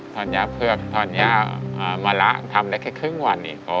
ทอนยาเผือกทอนยามาระทำได้แค่ครึ่งวันเนี่ย